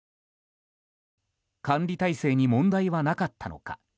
管理体制に問題はなかったのか。